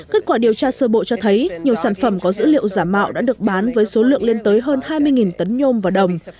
kết quả điều tra sơ bộ cho thấy nhiều sản phẩm có dữ liệu giả mạo đã được bán với số lượng lên tới hơn hai mươi tấn nhôm và đồng